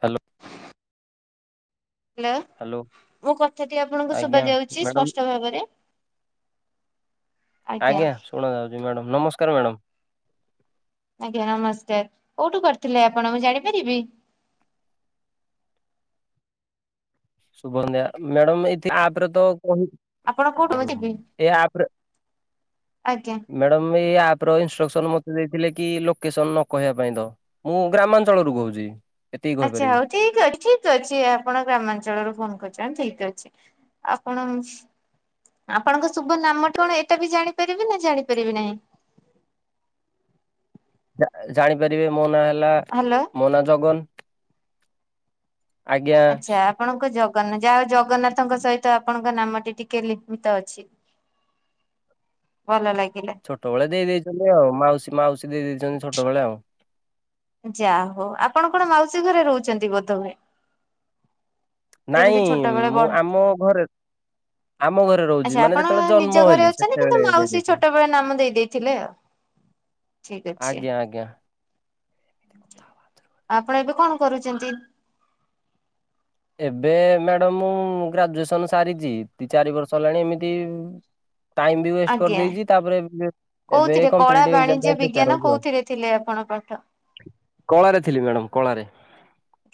Hello. Hello hello ମୋ କଥା ଟି ଆପଣଙ୍କୁ ଆଜ୍ଞା ଶୁବା ଯାଉଛି ମ୍ୟାଡ଼ାମ ସ୍ପଷ୍ଟ ଭାବରେ? ଆଇ ଆଜ୍ଞା ଶୁଣାଯାଉଚି ମ୍ୟାଡ଼ମ୍ ନମସ୍କାର ମ୍ୟାଡ଼ାମ୍। ଆଜ୍ଞା ନମଷ୍ଟାର କୋଉଠୁ କରିଥିଲେ ଆପଣ ମୁଁ ଜାଣିପାରିବି? ଶଭଧ୍ୟା ମ୍ୟାଡମ ଏଇଥି ଆପରେ ତ କହି ଆପଣ କୋଉଠୁ ମୁଁ [unintelligible] ଯିବି ଏ ଆପରେ ଆଜ୍ଞା। ମ୍ୟାଡ଼ାମ ଏଇ ଆପ୍ ର ଇନଷ୍ଟ୍ରକ୍ସନ ମତେ ଦେଇଥିଲେ କି ଲୋକେସନ ନ କହିବା ପାଇଁ ତ। ମୁଁ ଗ୍ରାମାଞ୍ଚଳରୁ କହୁଚି। ଆଛା ହଉ ଠିକ୍ ଅ ଠିକ୍ ଅଛି ଆପଣ ଗ୍ରାମାଞ୍ଚଳରୁ ଫୋନ କରିଚନ ଠିକ୍ ଅଛି। ଆପଣ ଆପଣଙ୍କ ଶୁଭ ନାମ କଣ? ଏଇଟା ବି ଜାଣିପାରିବି ନା ଜାଣିପାରିବି ନାଇ? ଯା ଜାଣିପାରିବେ ମୋ ନାଁ ହେଲା ହ୍ୟାଲୋ। ମୋ ନାଁ ଜଗନ। ଆଜ୍ଞା। ଆଛା ଆପଣଙ୍କ ଜଗନ ଯାଆହଉ ଜଗନ୍ନାଥଙ୍କ ସହିତ ଆପଣଙ୍କ ନାମଟି ଟିକେ ଲିପିତ ଅଛି। ଭଲ ଲାଗିଲା। ଛୋଟବେଳେ ଦେଇ ଦେଇଚନ୍ତି ଆଉ ମାଉସୀ ମାଉସୀ ଦେଇ ଦେଇ ଦେଇଚନ୍ତି ଛୋଟବେଳେ ଆଉ। ଯାଆହଉ ଆପଣ କଣ ମାଉସୀ ଘରେ ରହୁଚନ୍ତି ବୋଧହୁଏ? ନାଇଁ ଯେମିତି ଛୋଟବେଳେ ମୁଁ ବଡ ଆମ ଘରେ ଆମ ଘରେ ରହୁଚି ଆଚ୍ଛା ମାନେ ଆପଣ ଯେତେବେଳେ ନିଜ ଜନ୍ମ ଘରେ ହେଲି ଅଛନ୍ତି କିନ୍ତୁ ସେତେବେଳେ ଦେଇ ମାଉସୀ ଦେଇଥିଲେ। ଛୋଟବେଳେ ନାମ ଦେଇ ଦେଇେଇଥିଲେ ଆଉ। ଠିକ ଅଛି ଆଜ୍ଞା ଆଜ୍ଞା। ଆପଣ ଏବେ କଣ କରୁଚନ୍ତି? ଏବେ ମ୍ୟାଡ଼ମ୍ ମୁଁ ଗ୍ରାଜୁଏସନ ସାରିଚି ଦି ଚାରି ବର୍ଷ ହେଲାଣି ଏମିତି ଟାଇମ୍ ବି ୱେଷ୍ଟ ଆଜ୍ଞା କରିଦେଇଚି ତାପରେ ଏବେ ଏବେ କୋଉଥିରେ କଳା କମ୍ପିଟେଟିଭ୍ ଏକ୍ସାମ ବାଣିଜ୍ୟ ପାଇଁ ବିଜ୍ଞାନ ପ୍ରିପେଆର ହେଉଚି ଆଉ। କୋଉଥିରେ ଥିଲେ ଆପଣ ପଠ କଳାରେ ଥିଲି ମ୍ୟାଡ଼ାମ କଳାରେ।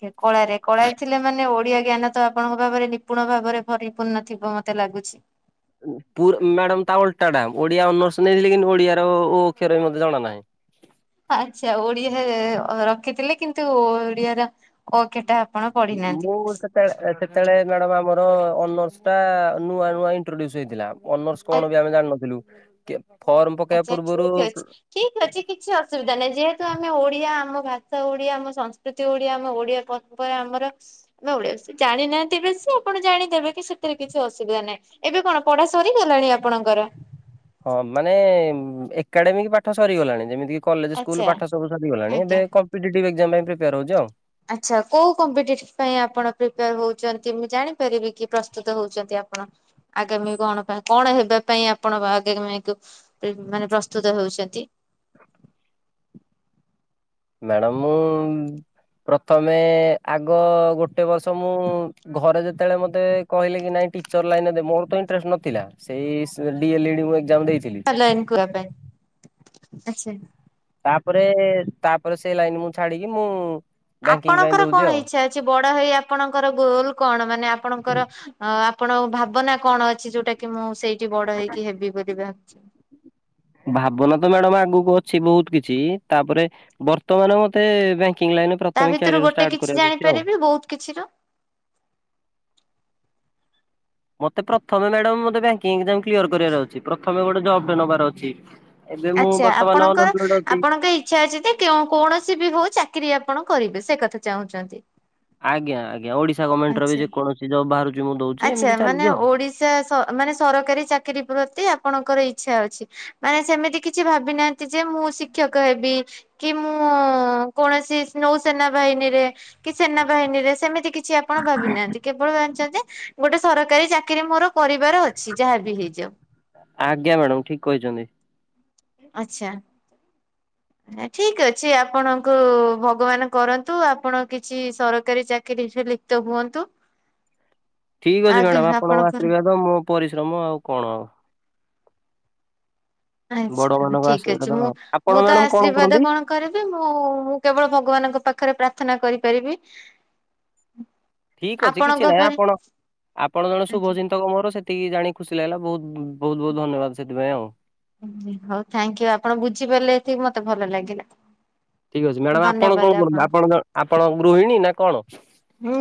କେ କଳାରେ କଳାରେ ଥିଲେ ମାନେ ଓଡିଆ ଜ୍ଞାନ ତ ଆପଣଙ୍କ ଭାବରେ ନିପୁଣ ଭାବରେ ପରିପୂର୍ଣ୍ଣ ଥିବ ମତେ ଲାଗୁଚି। ପୁର ମ୍ୟାଡାମ ତା ଓଲଟା ଟା ଓଡିଆ ଅନର୍ସ ନେଲି କିନ୍ତୁ ଓଡିଆର ଓ ଓ ଅକ୍ଷର ବି ମତେ ଜଣା ନାହିଁ। ଆଛା ଓଡିଆହେ ରଖିଥିଲେ କିନ୍ତୁ ଓଡିଆର ଅ କେଟା ଆପଣ ପଢିନାହାନ୍ତି। ତେ ଏପେତେଳେ ମ୍ୟାଡାମ ଆମର ଅନର୍ସ ଟା ନୂଆ ନୂଆ ଇଣ୍ଟ୍ରୋଡ୍ୟୁସ ହେଇଥିଲା। ଅନର୍ସ କଣ ବି ଆମେ ଜାଣିନଥିଲୁ କେ ଫର୍ମ ପକେଇବା ଆଚ୍ଛା ପୂର୍ବରୁ ଠିକ୍ ଅଛି। ପୁ ଠିକ୍ ଅଛି କିଛି ଅସୁବିଧା ନାହିଁ ଯେହେତୁ ଆମେ ଓଡିଆ ଆମ ଭାଷା ଓଡିଆ ଆମ ସଂସ୍କୃତି ଓଡିଆ ଆମ ଓଡିଆ ପ୍ର ପଏ ଆମର ମେ ଓଡିଆ ସି ଜାଣିନାହାନ୍ତିି ବେଶୀ ଆପଣ ଜାଣିଦେବେ କି ସେଥିରେ କିଛି ଅସୁବିଧା ନାହିଁ। ଏବେ କଣ ପଢା ସରିଗଲାଣି ଆପଣଙ୍କର? ହଁ ମାନେ ଏକାଡେମିକ ପାଠ ସରିଗଲାଣି ଯେମିତି କଲେଜ ସ୍କୁଲ ଆଚ୍ଛା ପାଠ ସବୁ ସରିଗଲାଣି ଆଜ୍ଞା। ଏବେ କମ୍ପିଟେଟିବ୍ ଏକଜ୍ଜାମ ପାଇଁ ପ୍ରିପେୟାର ହଉଚି ଆଉ। ଆଛା କୋଉ କମ୍ପିଟିଟିଭ ପାଇଁ ଆପଣ ପ୍ରିପୟାର ହଉଛନ୍ତି, ମୁଁ ଜାଣିପାରିବି କି ପ୍ରସ୍ତୁତ ହଉଛନ୍ତି ଆପଣ? ଆଗାମୀ କଣ ପାଇଁ, କଣ ହେବା ପାଇଁ ଆପଣ ଆଗାମୀ କୁ? ମାନେ ପ୍ରସ୍ତୁତ ହେଉଛନ୍ତି। ମ୍ୟାଡ଼ାମ ମୁଁ ପ୍ରଥମେ ଆଗ ଗୋଟେ ବର୍ଷ ମୁଁ, ଘରେ ଯେତେବେଳେ ମତେ କହିଲେ କି ନାଇଁ ଟିଚର ଲାଇନ ଦେ, ମୋର ତ ଇଣ୍ଟରେଷ୍ଟ ନଥିଲା, ସେଇ ଇଏଲିଡି ଏକଜାମ ମୁଁ ଦେଇଥିଲି। [unintelligible] ପାଇଁ ଆଛା। ତାପରେ, ତାପରେ ସେଇ ଲାଇନ ମୁଁ ଛାଡିକି ମୁଁ ବ୍ୟାଙ୍କିଙ୍ଗ ପାଇଁ ଆପଣଙ୍କର କଣ ଦଉଛି ଆଉ। ଇଚ୍ଛା ବଡ ହେଇ ଆପଣଙ୍କର ଗୋଲ କଣ? ମାନେ ଆପଣଙ୍କର ଅଁ ଆପଣଙ୍କ ଭାବନା କଣ ଅଛି, ଯୋଉଟା କି ମୁଁ ସେଇଠି ବଡ ହେଇକି ହେବି ବୋଲି ଭାବୁଛନ୍ତି? ଭାବନା ତ ମ୍ୟାଡାମ ଆଗକୁ ଅଛି ବହୁତ କିଛି, ତାପରେ ବର୍ତ୍ତମାନ ମତେ ବ୍ୟାଙ୍କିଙ୍ଗ ଲାଇନ ତା ପ୍ରଥମେ ଭିତରୁ କ୍ୟାରିୟାର ଗୋଟେ ଷ୍ଟାଟ କିଛି କରିବାକୁ ଅ ଆଉ। ଜାଣିପାରିବି ବହୁତ କିଛି ର। ମତେ ପ୍ରଥମେ ମ୍ୟାଡାମ ମତେ ବ୍ୟାଙ୍କିଙ୍ଗ ଏକଜାମ କ୍ଲିୟର କରିବାର ଅଛି, ପ୍ରଥମେ ଗୋଟେ ଜବ ଟେ ନେବାର ଅଛି। ଏବେ ମୁଁ ବର୍ତ୍ତମାନ କମ୍ପୁଟର ଯାଉଛି। ଇଛା ଅଛି ଯେ- କୌଣସି ବି ହଉ ଚାକିରି ଆପଣ କରିବେ, ସେ କଥା ଚାହୁଁଛନ୍ତି। ଆଜ୍ଞା ଆଜ୍ଞା, ଓଡିଶା ଗଭର୍ଣ୍ଣମେଣ୍ଟର ବି ଆଚ୍ଛା ଯେକୌଣସି ଜବ୍ ବାହାରୁଛି ମୁଁ ଦଉଛି ଏମତି ଚାଲିଛି ଆଉ। ସେ ମାନେ ସରକାରୀ ଚାକିରୀ ପ୍ରତି ଆପଣଙ୍କର ଇଛା ଅଛି। ମାନେ ସେମିତି କିଛି ଭାବି ନାହାନ୍ତି ଯେ ମୁଁ ଶିକ୍ଷକ ହେବି। କି ମୁଁ କୌଣସି ନୌସେନା ବାହିନୀରେ, କି ସେନା ବାହିନୀରେ, ସେମିତି କିଛି ଆପଣ ଭାବିନାହାନ୍ତି, କେବଳ ଜାଣିିଛନ୍ତି ଯେ ଗୋଟେ ସରକାରୀ ଚାକିରି ମୋର କରିବାର ଅଛି ଯାହା ବି ହେଇଯାଉ। ଆଜ୍ଞା ମ୍ୟାଡ଼ାମ୍ ଠିକ୍ କହିଛନ୍ତି। ଆଛା। ଠିକ ଅଛି, ଆପଣଙ୍କୁ ଭଗବାନ କରନ୍ତୁ, ଆପଣ କିଛି ସରକାରୀ ଚାକିରି ଝୁଲି ତ ହୁଅନ୍ତୁ। ଠିକ ଅଛି ଆଜ୍ଞା ମ୍ୟାଡାମ, ଆପଣଙ୍କ ଆପଣଙ୍କର ଆଶୀର୍ବାଦ ମୋ ପରିଶ୍ରମ ଆଉ କଣ ଅ। ବଡ ଆଛା, ମାନଙ୍କ ଠିକ ଅଛି ଆଶୀର୍ବାଦ ମୁଁ, ଆଉ ଆପଣ ମୁଁ ତ ମ୍ୟାଡାମ କଣ ଆଶୀର୍ବାଦ କରନ୍ତି କଣ? କରିବି ମୁଁ, ମୁଁ କେବଳ ଭଗବାନଙ୍କ ପାଖରେ ପ୍ରାର୍ଥନା କରିପାରିବି ଠିକ ଅଛି, ଆପଣଙ୍କ କିଛି ନାହିଁ ପରି ଆପଣ, ଆପଣ ଜଣେ ଶୁଭ ଆଜ୍ଞା। ଚିନ୍ତ କ ମୋର, ସେତିକି ଜାଣି ଖୁସି ଲାଗିଲା ବହୁତ ବହୁତ ବହୁତ ଧନ୍ୟବାଦ ସେଥିପାଇଁ ଆଉ। ହଉ, ଥାଙ୍କ ୟୁ, ଆପଣ ବୁଝିପାରିଲେ ଏତିକି ମତେ ଭଲ ଲାଗିଲା। ଠିକ ଅଛି, ମ୍ୟାଡାମ ଆପଣ ଧନ୍ୟବାଦ କଣ କରନ୍ତି? ଆପଣଙ୍କୁ ଆପଣ ଆପଣ ଗୃହିଣୀ ନା କଣ?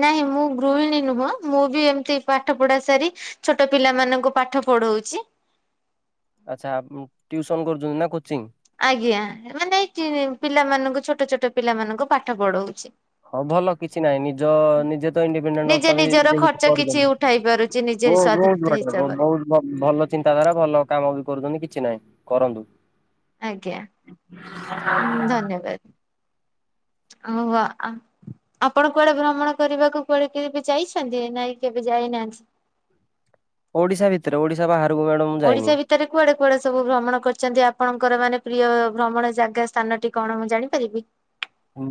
ନାଇଁ ମୁଁ ଗୃହିଣୀ ନୁହଁ, ମୁଁ ବି ଏମତି ପାଠ ପଢା ସାରି ଛୋଟ ପିଲାମାନଙ୍କୁ ପାଠ ପଢଉଛି। ଆଛା ଆ, ଉଁ ଟ୍ୟୁସନ କରୁଛନ୍ତି ନା କୋଚିଙ୍ଗ? ଆଜ୍ଞା ମାନେ, ଏ ପିଲାମାନଙ୍କୁ ଛୋଟ ଛୋଟ ପିଲାମାନଙ୍କୁ ପାଠ ପଢଉଛି। ହଁ ଭଲ କିଛି ନାହିଁ, ନିଜ ନିଜେ ତ ଇଣ୍ଡିପେଣ୍ଡେଣ୍ଟ ନିଜେ ଅଛନ୍ତି, ନିଜର ନିଜେ କିଛି ଖର୍ଚ୍ଚ କରିଛନ୍ତି। ଉଠାଇ ପାରୁଛି ନିଜେ ସ୍ୱାଧୀନତା ହିସାବରେ। ବହୁତ ବହୁତ ଭଲ ଚିନ୍ତାଧାରା, ଭଲ କାମ ବି କରୁଛନ୍ତି, କିଛି ନାହିଁ କରନ୍ତୁ। ଆଜ୍ଞା, ହଁ ଧନ୍ୟବାଦ, ଆପ୍ ଆପଣ କୁଆଡେ ଭ୍ରମଣ କରିବାକୁ କୁଆଡେ କେବେ ଯାଇଛନ୍ତି? ନାଇଁ କେବେ ଯାଇନାହାନ୍ତି? ଓଡିଶା ଭିତରେ ଓଡିଶା ବାହାରକୁ ମ୍ୟାଡାମ ମୁଁ ଯାଇନି ଓଡ଼ିଶା ଭିତ ଭିତରେ କୁଆଡେ କୁଆଡେ ସବୁ ଭ୍ରମଣ କରିଛନ୍ତି ଆପଣଙ୍କର ମାନେ ପ୍ରିୟ ଭ୍ରମଣ ଜାଗା ସ୍ଥାନ ଟି କଣ ମୁଁ ଜାଣିପାରିବି?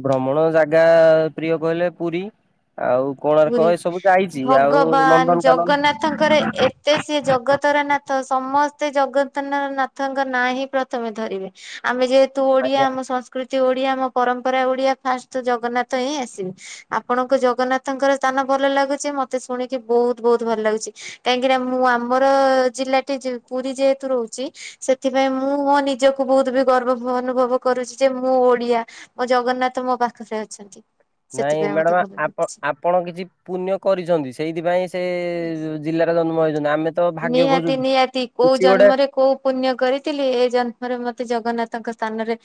ଭ୍ରମଣ ଜାଗା ପ୍ରିୟ କହିଲେ ପୁରୀ ଆଉ ପୁରୀ କୋଣାର୍କ ଏ ସବୁ ଯାଇଛି, ଆଉ ନନ୍ଦନକାନନ ତ ସେ ଜଗତର ନାଥ, ସମସ୍ତେ ଜଗତର ନାଥଙ୍କ ନାଁ ହିଁ ପ୍ରଥମେ ଧରିବେ। ଆମେ ଯେହେତୁ ଓଡିଆ ଆଜ୍ଞା ଆମ ସଂସ ସଂକୃତି ଓଡିଆ, ଆମ ପରମ୍ପରା ଓଡିଆ, ଫାଷ୍ଟ ଜଗନ୍ନାଥ ହିଁ ଆସିବେ, ଆପଣଙ୍କ ଜଗନ୍ନାଥ ତାଙ୍କର ସ୍ଥାନ ଭଲ ଲାଗୁଛି ମତେ ଶୁଣିକି ବହୁତ ବହୁତ୍ ଭଲ ଲାଗୁଛି। କାହିଁକି ମୁଁ ଆମର ଜିଲ୍ଲାଟି ପୁରୀ ଯେହେତୁ ରହୁଚି ସେଥିପାଇଁ ମୁଁ ମୋ ନିଜକୁ ବହୁତ୍ ବି ଗର୍ବ ଅନୁଭବ କରୁଛି ଯେ ମୁଁ ଓଡିଆ। ମୋ ଜଗନ୍ନାଥ ମୋ ପାଖରେ ଅଛନ୍ତି। ନାଇଁ ସେଥିପାଇଁ ମତେ ମ୍ୟାଡ଼ାମ ଭଲ ଆପ ଲାଗୁଛି। ଅପ୍ ଆପଣ କିଛି ପୁଣ୍ୟ କରିଛନ୍ତି ସେଇଥିପାଇଁ ସେ ଜିଲ୍ଲାରେ ଜନ୍ମ ହେଛନ୍ତି ଆମେ ତ ଭାଗ୍ୟ ଖୋଜୁଛୁ ନିହାତି ନିହାତି କୋଉ କିଛି ଗୋଟେ ଜନ୍ମରେ କୋଉ ପୁଣ୍ୟ କରିଥିଲି ଏ ଜନ୍ମରେ ମତେ ଜଗନ୍ନାଥଙ୍କ ସ୍ଥାନରେ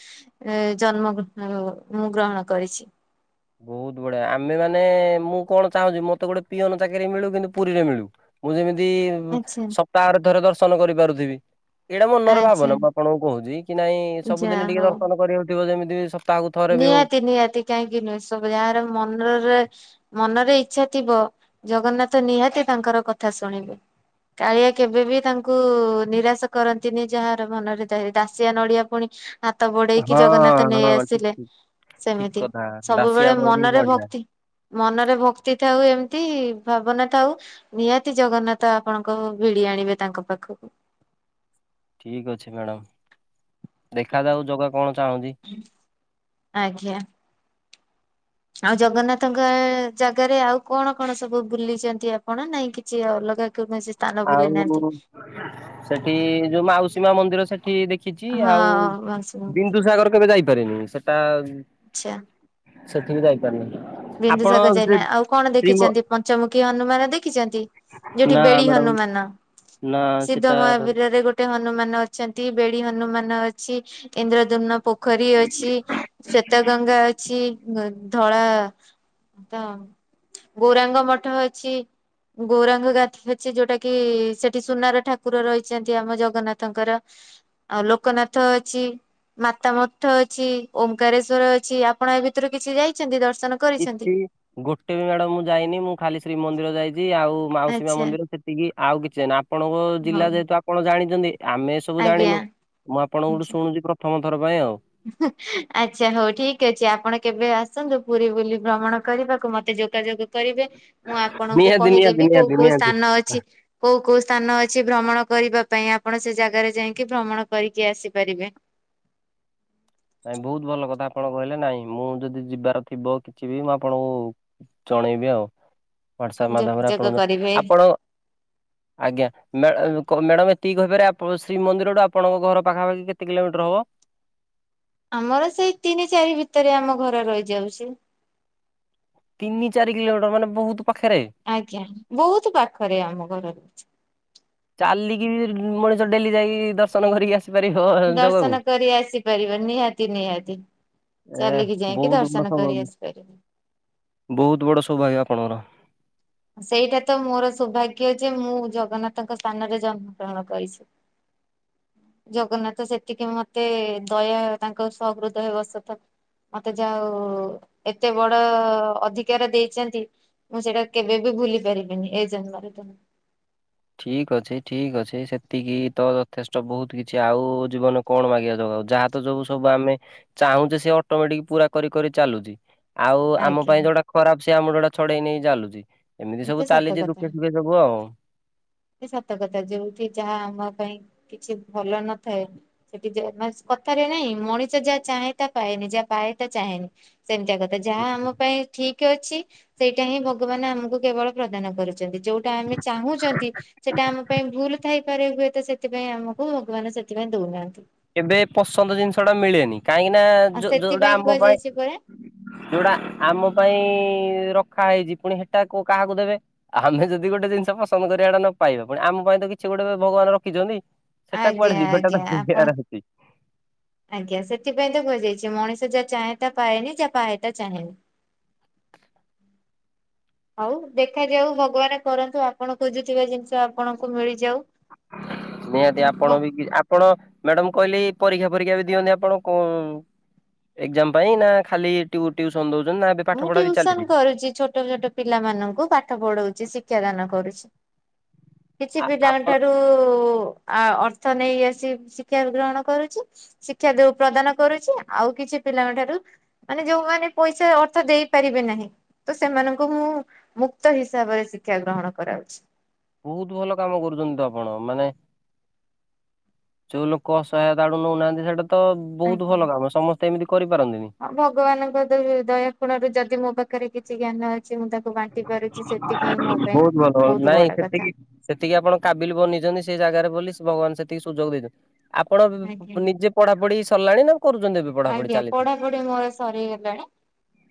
ଏ ଜନ୍ମ ମୁଁ ଗ୍ରହଣ କରିଛି। ବହୁତୁ ବଢିଆ ଆମେ ମାନେ ମୁଁ କଣ ଚାହୁଁଛି ମତେ ଗୋଟେ ପିଅନ ଚାକିରି ମିଳୁ କିନ୍ତୁ ପୁରୀରେ ମିଳୁ। ମୁଁ ଯେମିତି ଆଛା ସପ୍ତାହରେ ଥରେ ଦର୍ଶନ କରିପାରୁଥିବି। ଏଇଟା ମନରେ ଆଛା ଭାବନ ମୁଁ ଆପଣଙ୍କୁ କହୁଛି କି ନାଇଁ ସବୁଦିନ ଯାହା ଟିକେ ହଉ ଦର୍ଶନ କରିବାକୁ ଥିବ ଯେମିତି ସପ୍ତାହକୁ ଥରେ ବି ହଉ। ନିହାତି ନିହାତି କାହିଁକି ନୁହେଁ ସବୁ ଯାହାର ମନରେ ମନରେ ଇଛା ଥିବ ଜଗନ୍ନାଥ ନିହାତି ତାଙ୍କର କଥା ଶୁଣିବେ। କାଳିଆ କେବେବି ତାଙ୍କୁ ନିରାଶ କରନ୍ତିନି ଯାହାର ମନରେ ଧ ଦାସିଆ ନଡିଆ ପୁଣି ହାତ ବୋଡେଇକି ହଁ ଜଗନ୍ନାଥ ନେଇ ହଁ ଠିକ ଆସିଲେ ଠିକ। ଠିକ ସେମିତି କଥା ଦାସିଆ ସବୁବେଳେ ବାଉରି ମନରେ ବଢିଆ ଭକ୍ତି ମନରେ ଭକ୍ତି ଥାଉ ଏମିତି ଭାବନା ଥାଉ। ନିହାତି ଜଗନ୍ନାଥ ଆପଣଙ୍କୁ ଭିଡି ଆଣିବେ ତାଙ୍କ ପାଖକୁ। ଠିକ୍ ଅଛି ମ୍ୟାଡ଼ାମ ଦେଖାଯାଉ ଜଗା କଣ ଚାହୁଁନ୍ତି? ଆଜ୍ଞା। ଆଉ ଜଗନ୍ନାଥଙ୍କ ଜାଗାରେ ଆଉ କଣ କଣ ସବୁ ବୁଲିଛନ୍ତି ଆପଣ ନାଇଁ କିଛି ଅଲଗା କୌଣସି ସ୍ଥାନ ବୁଲି ନାହାନ୍ତି ଆଉ ସେଠି ଯୋଉ ମାଉସୀ ମା ମନ୍ଦିର ସେଠି ଦେଖି ଦେଖିଛି ହଁ ଆଉ ମାଉସୀ ମନ୍ଦିର। ବିନ୍ଦୁସାଗର କେବେ ଯାଇପାରିନି ସେଟା ଆଚ୍ଛା। ସେଠି କୀ ଯାଇପାରିନି। ଆପଣ ବିନ୍ଦୁସାଗର ସେ ଯାଇନା ଆଉ କଣ ରିମୋ ଦେଖିଛନ୍ତି ପଞ୍ଚମୁଖୀ ହନୁମାନ ଦେଖିଛନ୍ତି? ଯୋଉଠି ନା ବେଡି ମ୍ୟାଡାମ ହନୁମାନ ନା ସିଦ୍ଧ ସେଟା ମହାବୀରରେ ଗୋ ଗୋଟେ ହନୁମାନ ଅଛନ୍ତି ବେଡି ହନୁମାନ ଅଛି ଇନ୍ଦ୍ରଧୁମ୍ନ ପୋଖରୀ ଅଛି ଶ୍ଵେତ ଗଙ୍ଗା ଅଛି ଧଳା ତ ଗୌରାଙ୍ଗ ମଠ ଅଛି। ଗୌରାଙ୍ଗ ଗାଥା ଅଛି ଯୋଉଟା କି ସେଠି ସୁନାର ଠାକୁର ରହିଛନ୍ତି ଆମ ଜଗନ୍ନାଥଙ୍କର। ଆଉ ଲୋକନାଥ ଅଛି। ମାତା ମଠ ଅଛି ଓମ୍କାରେଶ୍ଵର ଅଛି ଆପଣ ଏ ଭିତରୁ କିଛି ଯାଇଛନ୍ତି ଦର୍ଶନ କରିଛନ୍ତି? କିଛି ଗୋଟେ ବି ମ୍ୟାଡ଼ମ ମୁଁ ଯାଇନି ମୁଁ ଖାଲି ଶ୍ରୀମନ୍ଦିର ଯାଇଛି ଆଉ ମାଉସୀ ମା ଆଚ୍ଛା ମନ୍ଦିର ସେତିକି ଆଉ କିଛି ଆପଣଙ୍କ ହଉ ଜିଲ୍ଲା ଯେହେତୁ ଆପଣ ଜାଣିଛନ୍ତି ଆମେ ସବୁ ଆଜ୍ଞା ଜାଣିନୁ ମୁଁ ଆପଣଙ୍କ ଆଛା। ଠୁ ଶୁଣୁଛି ପ୍ରଥମ ଥର ପାଇଁ ଆଉ। ଆଚ୍ଛା ହଉ ଠିକ ଅଛି ଆପଣ କେବେ ଆସନ୍ତୁ ପୁରୀ ବୁଲି ଭ୍ରମଣ କରିବାକୁ ମତେ ଯୋଗାଯୋଗ କରିବେ ମୁଁ ଆପଣଙ୍କୁ ନିହାତି ନିହାତି କହିଦେବି କୋଉ ନିହାତି କୋଉ ନିହାତି। ସ୍ଥାନ ଅଛି। କୋଉ କୋଉ ସ୍ଥାନ ଅଛି ଭ୍ରମଣ କରିବା ପାଇଁ ଆପଣ ସେ ଜାଗାରେ ଯାଇକି ଭ୍ରମଣ କରିକି ଆସିପାରିବେ। ନାଇଁ ବହୁତ ଭଲ କଥା ଆପଣ କହିଲେ ନାଇଁ ମୁଁ ଯଦି ଯିବାର ଥିବ କିଛି ବି ମୁଁ ଆପଣଙ୍କୁ ଜଣେଇବି ଆଉ ହାଟସଆପ୍ ମାଧ୍ୟମରେ ଯୋଗାଯୋଗ ଆପଣଙ୍କୁ କରିବେ ଆପଣ ଆଜ୍ଞା। ମ୍ୟା କଉ ମ୍ୟାଡାମ ଏତିକି କହିପାରେ ଶ୍ରୀମନ୍ଦିରୁ ଆପଣଙ୍କ ଘର ପାଖାପାଖି କେତେ କିଲୋମିଟର ହବ? ଆମର ସେଇ ତିନି ଚାରି ଭିତରେ ଆମ ଘରେ ରହିଯାଉଛି। ତିନି ଚାରି କିଲୋମିଟର ମାନେ ବହୁତ ପାଖରେ। ଆଜ୍ଞା ବହୁତ ପାଖରେ ଆମ ଘର ର ଚାଲିକି ବି ମଣିଷ ଡେଲି ଯାଇକି ଦର୍ଶନ କରିକି ଆସିପାରିବ ଜଗାକୁ। ଦର୍ଶନ କରି ଆସିପାରିବ ନିହାତି ନିହାତି ଏ ଚାଲିକି ଯାଇକି ବହୁତ ବଡ ଦର୍ଶନ କରି ସୌଭାଗ୍ୟ। ଆସିପାରିବ। ବହୁତ ବଡ଼ ସ୍ଵଭାଗ୍ୟ ଆପଣଙ୍କର। ସେଇଟା ତ ମୋର ସୌଭାଗ୍ୟ ଯେ ମୁଁ ଜଗନ୍ନାଥଙ୍କ ସ୍ଥାନରେ ଜନ୍ମ ଗ୍ରହଣ କରିଛି। [inaudible] ଜଗନ୍ନାଥ ସେତିକି ମତେ ଦୟା ତାଙ୍କ ସହହୃଦୟ ବଶତଃ ମତେ ଯାହାହଉ ଏତେ ବଡ ଅଧିକାର ଦେଇଛନ୍ତି ମୁଁ ସେଇଟା କେବେ ବି ଭୁଲି ପାରିବିନି ଏ ଜନ୍ମରେ ଠିକ୍ ଅଛି ଠିକ ଅଛି ସେତିକି ତ ଯଥେଷ୍ଟ ବହୁତ କିଛି ଆଉ ଜୀବନ କଣ ମାଗିବା ଜଗାକୁ ଯ ଯାହା ତ ଯୋଉ ସବୁ ଆମେ ଚାହୁଁଛେ ସେ ଅଟୋମେଟିକ ପୁରା କରି କରି ଚାଲୁଛି। ଆଉ ଆମ ଆଜ୍ଞା ପାଇଁ ଯୋଉଟା ଖରାପ ସିଏ ଆମର ଯୋଉଟା ଛଡେଇ ନେଇ ଚାଲୁଛି ଏମିତି ସବୁ ଏତ ସତ ଚାଲିଛି ଦୁଃଖେ ସୁଖେ ବୁ ଆଉ ସତକଥା ଯେମିତି ଯାହା ଆମ ପାଇଁ କିଛି ଭଲ ନଥାଏ [unintelligible] ସେଠି କଥାରେ ନାଇଁ ମଣିଷ ଯାହା ଚାହେଁ ତା ପାଏନି ଯାହା ପାଏ ତା ଚାହେଁନି ସେମିତିଆ କଥା ଯାହା ଆମ ପାଇଁ ଠିକ ଅଛି ସେଇଟା ହିଁ ଭଗବାନ ଆମକୁ କେବଳ ପ୍ରଦାନ କରୁଛନ୍ତି ଯୋଉଟା ଆମେ ଚାହୁଁ କହୁଛନ୍ତି ସେଟା ଆମ ପାଇଁ ଭୁଲ ଥାଇପାରେ ହୁଏତ ସେଥିପାଇଁ ଆମକୁ ଭଗବାନ ସେଥିପାଇଁ ଦଉନାହାନ୍ତି। କେବେ ପସନ୍ଦ ଜିନିଷ ଟା ମିଳେନି କାହିଁକି ନା ଆଉ ଯୋଉଟା ସେଥିପାଇଁ ଆମ ପାଇଁ କୁହାଯାଇଛି ପରା ଯୋଉଟା ଆମ ପାଇଁ ରଖା ହେଇଛି ପୁଣି ହେଟା କୁ କାହାକୁ ଦେବେ? ଆମେ ଯଦି ଗୋଟେ ଜିନିଷ ପସନ୍ଦ କରିବାଟା ନ ପାଇବା ପୁଣି ଆମ ପାଇଁ ତ କିଛି ଗୋଟେ ଭଗବାନ ରଖିଛନ୍ତି। ସେଟା କୁଆଡେ ଆଜ୍ଞା ଯିବଟା ଆଜ୍ଞା ତ ଆପଣ ହେଉଛି ଆଜ୍ଞା ସେଥିପାଇଁ ତ କୁହାଯାଇଛି ମଣିଷ ଯାହା ଚାହେଁ ତା ପାଏନି ଯାହା ପାଏ ତା ଚାହେଁନି। [inaudible] ହଉ ଦେଖାଯାଉ ଭଗବାନ କରନ୍ତୁ ଆପଣ ଖୋଜୁଥିବା ଜିନିଷ ଆପଣଙ୍କୁ ମିଳିଯାଉ। ନିହାତି ଆପଣ ବି ଆ ପଣ ମ୍ୟାଡାମ କହିଲେ ପରୀକ୍ଷା ପରୀକ୍ଷା ବି ଦିଅନ୍ତି ଆପଣ କ ଏକ୍ଜାମ ପାଇଁ ନା ଖାଲି ଟିଉସନ ଦଉଛନ୍ତି ନା ଏବେ ପାଠ ମୁଁ ପଢା ବି ଚାଲିଛି। ଟ୍ୟୁସନ କରୁଛି ଛୋଟ ଛୋଟ ପିଲାମାନଙ୍କୁ ପାଠ ପଢଉଛି ଶିକ୍ଷାଦାନ କରୁଛି। କିଛି ଆ ପିଲାଙ୍କ ଆପଣ ଠାରୁ ଅର୍ଥ ନେଇ ଆସି ଶିକ୍ଷା ଗ୍ରହଣ କରୁଛି। ଶିକ୍ଷା ଦଉ ପ୍ରଦାନ କରୁଛି ଆଉ କିଛି ପିଲାଙ୍କ ଠାରୁ ମାନେ ଯୋଉମାନେ ପଇସା ଅ ଦେଇପାରିବେ ନାହିଁ ତ ସେମାନଙ୍କୁ ମୁଁ ମୁକ୍ତ ହିସାବରେ ଶିକ୍ଷା ଗ୍ରହଣ କରାଉଛି। ବହୁତ ଭଲ କାମ କରୁଛନ୍ତି ତ ଆପଣ ମାନେ ଯୋଉ ଲୋକ ସହାୟତା ଆଡୁ ନଉନାହାନ୍ତି ସେଟା ତ ବହୁତ ଆଜ୍ଞା। ଭଲ କାମ ସମସ୍ତେ ଏମିତି କରିପାରନ୍ତିନି। ହଁ ଭଗବାନଙ୍କ ଦୟା କୋଣରୁ ଯଦି ମୋ ପାଖରେ କିଛି ଜ୍ଞାନ ଅଛି ମୁଁ ତାକୁ ବାଣ୍ଟି ପାରୁଛି ସେତିକି ମୋ ପାଇଁ ବହୁତ ଭଲ ହ ବହୁତ ନାଇଁ ବଡ କଥା। ସେତିକି ସେତିକି ଆପଣ କାବିଲ ବନେଇଛନ୍ତି ସେ ଜାଗାରେ ବୋଲି ଭଗବାନ ସେତିକି ସୁଯୋଗ ଦେଇଛନ୍ତି। ଆପଣ ଆଜ୍ଞା। ନିଜେ ପଢା ପଢି ସରିଲାଣି ନା କରୁଛନ୍ତି ଏବେ? ପଢାପଢି ଆଜ୍ଞା ଚାଲିଛି? ପଢ ଗୋଟେ ମୋର ସରିଗଲାଣି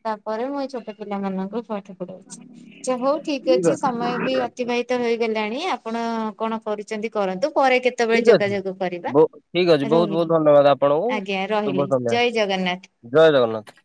ତାପରେ ମୁଁ ଏଇ ଛୋଟ ପିଲା ମାନଙ୍କୁ ପାଠ ପଢ଼ଉଛି। ଆଛା ହଉ ଠିକ ଅଛି ସମୟ ବି ଅତିବାହିତ ହେଇଗଲାଣି ଆପଣ କଣ କରୁଛନ୍ତି କରନ୍ତୁ ପରେ କେତେ? କେତେବେଳେ ଠିକ ଅଛି ଯୋଗାଯୋଗ କରିବା ଠିକ ଅଛି ବହୁତ ବହୁତ ରହିଲି ଧନ୍ୟବାଦ ଆପଣଙ୍କୁ ଆଜ୍ଞା ଶୁଭ ରହିଲି ସନ୍ଧ୍ୟା ଜୟ ଜଗନ୍ନାଥ। ଜୟ ଜଗନ୍ନାଥ।